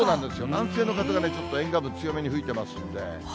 南西の風がちょっと沿岸部、強めに吹いてますんで。